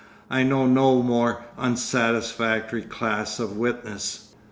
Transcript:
I know no more unsatisfactory class of witness.